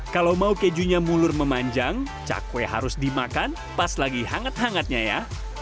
kalau mau kejunya mulur memanjang cakwe harus dimakan pas lagi hangat hangatnya ya